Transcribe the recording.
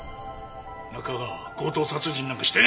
中川は強盗殺人なんかしてねえ！